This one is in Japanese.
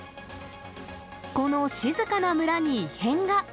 この静かな村に異変が。